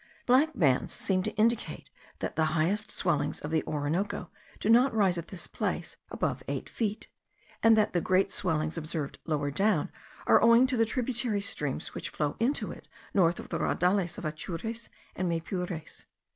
Black bands seem to indicate, that the highest swellings of the Orinoco do not rise at this place above eight feet; and that the great swellings observed lower down are owing to the tributary streams which flow into it north of the raudales of Atures and Maypures.